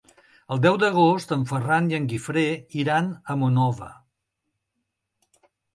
El deu d'agost en Ferran i en Guifré iran a Monòver.